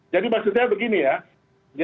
jadi maksudnya begini ya